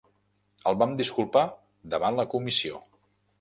El vam disculpar davant la comissió.